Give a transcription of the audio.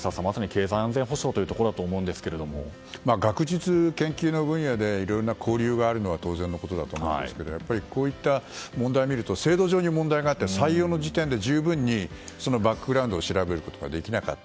経済安全保障というところだと学術研究の分野でいろいろ交流があるのは当然のことだと思いますがこういった問題を見ると制度上に問題があって採用の時点で十分にそのバックグランドを調べることができなかった。